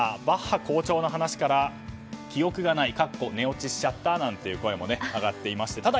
バッハ校長の話から記憶がない寝落ちしちゃったなんていう声も上がっていまして。